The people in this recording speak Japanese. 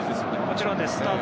もちろんです。